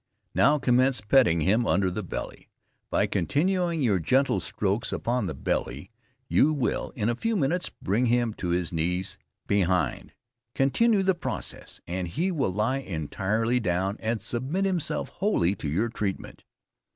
Now commence patting him under the belly; by continuing your gentle strokes upon the belly, you will, in a few minutes, bring him to his knees behind. Continue the process, and he will lie entirely down, and submit himself wholly to your treatment.